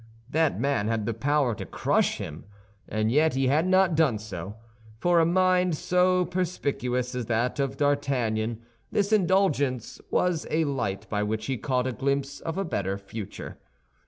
That man had the power to crush him, and yet he had not done so. For a mind so perspicuous as that of D'Artagnan, this indulgence was a light by which he caught a glimpse of a better future.